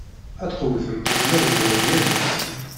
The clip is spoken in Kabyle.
Ad tqewwtem lmal-nwen yal ass.